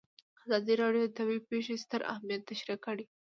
ازادي راډیو د طبیعي پېښې ستر اهميت تشریح کړی.